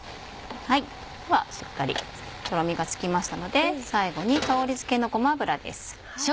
ではしっかりとろみがつきましたので最後に香りづけのごま油です。